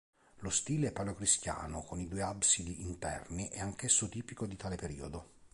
Lo stile paleocristiano, con i due absidi interni, è anch'esso tipico di tale periodo.